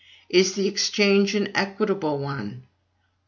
Is the exchange an equitable one?